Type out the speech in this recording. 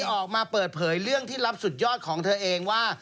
ออกมาเปิดเผยเรื่องที่รับสุดยอดของเธอเองว่า